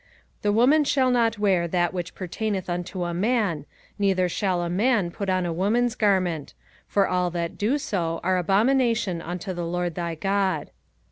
05:022:005 The woman shall not wear that which pertaineth unto a man, neither shall a man put on a woman's garment: for all that do so are abomination unto the LORD thy God.